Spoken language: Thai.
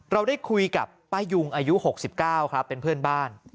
เราได้คุยกับป้ายุงอายุ๖๙ครับเป็นเพื่อนบ้าน